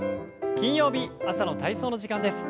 金曜日朝の体操の時間です。